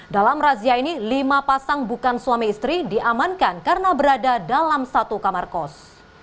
dalam razia ini lima pasang bukan suami istri diamankan karena berada dalam satu kamar kos